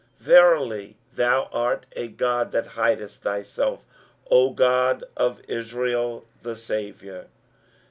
23:045:015 Verily thou art a God that hidest thyself, O God of Israel, the Saviour.